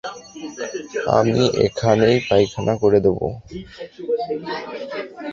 আমি এখানেই পায়খানা করে দেবো।